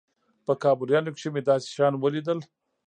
په کابليانو کښې مې داسې شيان وليدل.